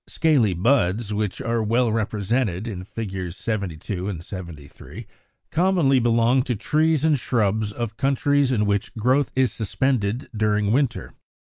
51. =Scaly Buds=, which are well represented in Fig. 72, 73, commonly belong to trees and shrubs of countries in which growth is suspended during winter.